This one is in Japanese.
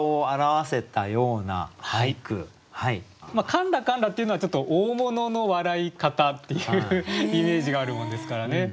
「かんらかんら」っていうのはちょっと大物の笑い方っていうイメージがあるもんですからね。